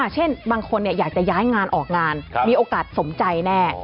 เช่นบางคนอยากจะย้ายงานออกงานมีโอกาสสมใจแน่